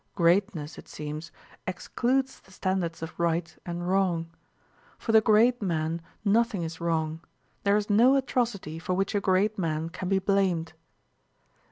"Greatness," it seems, excludes the standards of right and wrong. For the "great" man nothing is wrong, there is no atrocity for which a "great" man can be blamed.